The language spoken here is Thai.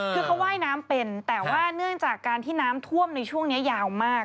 คือเขาว่ายน้ำเป็นแต่ว่าเนื่องจากการที่น้ำท่วมในช่วงนี้ยาวมาก